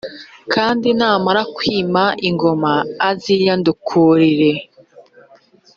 kandi namara kwima ingoma, aziyandukurire